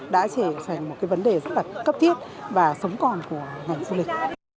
đã trở thành một cái vấn đề rất là cấp thiết và sống còn của ngành du lịch